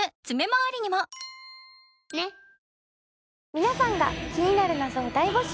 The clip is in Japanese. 皆さんが気になる謎を大募集。